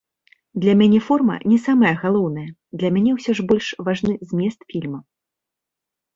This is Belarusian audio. Для мяне форма не самае галоўнае, для мяне ўсё ж больш важны змест фільма.